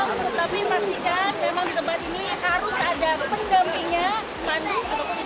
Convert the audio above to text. tetapi pastikan di tempat ini harus ada pendampingnya mandu atau pisa